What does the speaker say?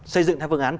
xây dựng theo phương án